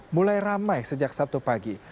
mulai ramai sejak sabtu pagi